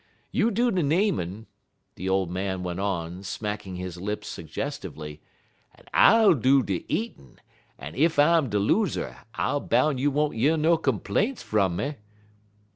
You do de namin'," the old man went on, smacking his lips suggestively, "en I'll do de eatin', en ef I'm de loser, I boun' you won't year no complaints fum me.